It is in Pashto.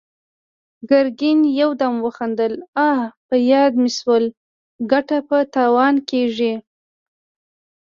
ګرګين يودم وخندل: اه! په ياد مې شول، ګټه په تاوان کېږي!